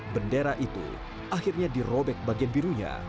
bendera itu akhirnya dirobek bagian birunya